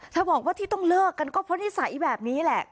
บอกว่าที่ต้องเลิกกันก็เพราะนิสัยแบบนี้แหละ